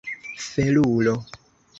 felulo